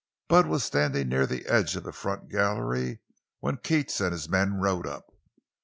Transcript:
Bud was standing near the edge of the front gallery when Keats and his men rode up.